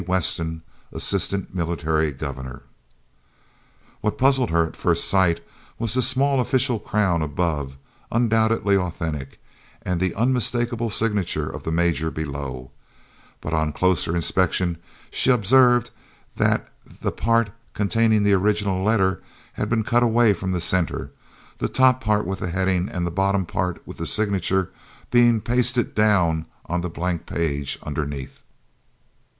WESTON, Assistant Military Governor. What puzzled her at first sight was the small official crown above, undoubtedly authentic, and the unmistakable signature of the Major below; but on closer inspection, she observed that the part containing the original letter had been cut away from the centre, the top part with the heading and the bottom part with the signature being pasted down on the blank page underneath.